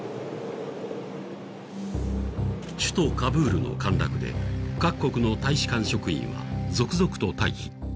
首都カブールの陥落で各国の大使館職員は続々と退避。